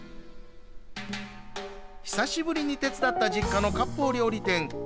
久しぶりに手伝った実家のかっぽう料理店。